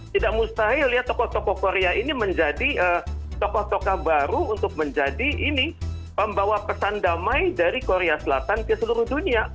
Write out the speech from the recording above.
tidak mustahil ya tokoh tokoh korea ini menjadi tokoh tokoh baru untuk menjadi ini pembawa pesan damai dari korea selatan ke seluruh dunia